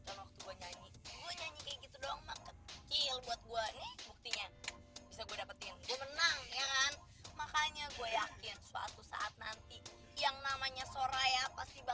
buktinya bisa gue dapetin makanya gue yakin suatu saat nanti yang namanya soraya pasti